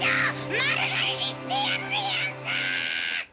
丸刈りにしてやるでヤンス！